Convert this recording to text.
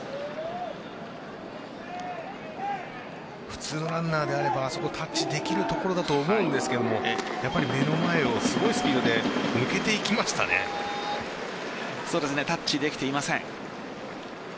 普通のランナーであればタッチできるところだと思うんですけども目の前をすごいスピードでタッチできていません。